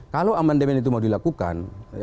kalau amandemen itu mau dilakukan